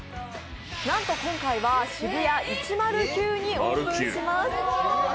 なんと今回はＳＨＩＢＵＹＡ１０９にオープンします。